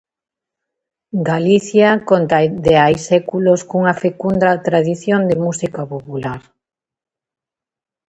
Galicia conta de hai séculos cunha fecunda tradición de música popular.